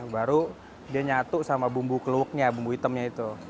baru dia nyatu sama bumbu keluknya bumbu hitamnya itu